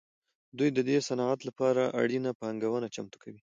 دوی د دې صنعت لپاره اړینه پانګونه چمتو کوي